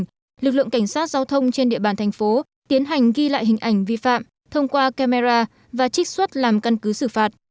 trong đó lực lượng cảnh sát giao thông trên địa bàn thành phố tiến hành ghi lại hình ảnh vi phạm thông qua camera và trích xuất làm căn cứ xử phạt